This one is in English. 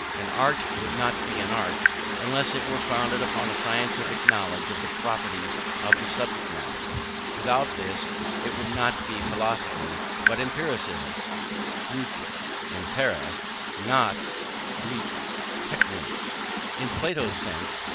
An art would not be an art, unless it were founded upon a scientific knowledge of the properties of the subject matter: without this, it would not be philosophy, but empiricism; [Greek: empeiria,] not [Greek: technae,] in Plato's sense.